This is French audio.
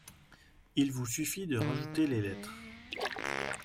Il vous suffit de rajouter les lettres.